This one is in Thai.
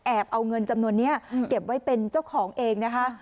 เอาเงินจำนวนนี้เก็บไว้เป็นเจ้าของเองนะคะ